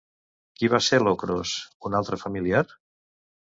Qui va ser Locros, un altre familiar?